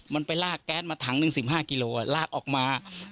มันไปลากแก๊สมาถัง๑๕กิโลก้าวลากออกมา